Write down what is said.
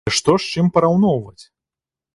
Але што з чым параўноўваць?